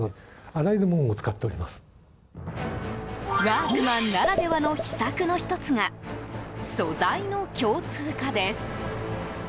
ワークマンならではの秘策の１つが素材の共通化です。